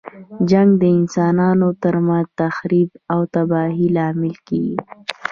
جنګ د انسانانو تر منځ تخریب او تباهۍ لامل کیږي.